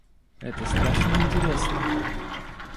Это страшно интересно!